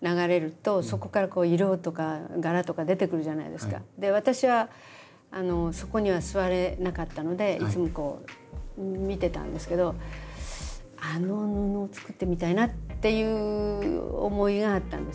あれとかやっぱりこう私はそこには座れなかったのでいつもこう見てたんですけどあの布を作ってみたいなっていう思いがあったんですね。